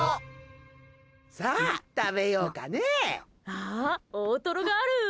あっ、大トロがある！